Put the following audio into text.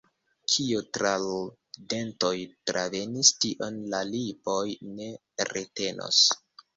Kio tra l' dentoj travenis, tion la lipoj ne retenos.